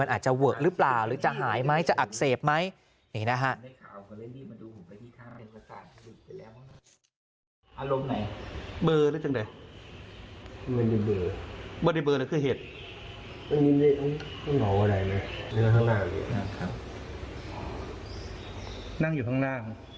อาจจะเวอะหรือเปล่าหรือจะหายไหมจะอักเสบไหมนี่นะฮะ